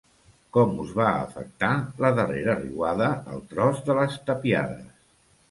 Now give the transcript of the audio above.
Com us va afectar la darrera riuada al tros de les Tapiades?